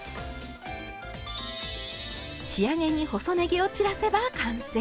仕上げに細ねぎを散らせば完成。